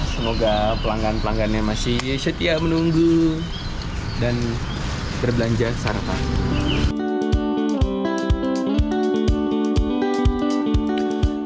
semoga pelanggan pelanggan masih setia menunggu dan berbelanja secara takut